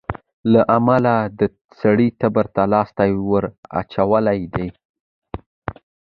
له امله د سړي تبر ته لاستى وراچولى دى.